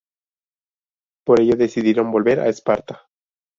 Por ello decidieron volver a Esparta.